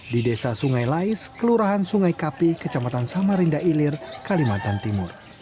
di desa sungai lais kelurahan sungai kapi kecamatan samarinda ilir kalimantan timur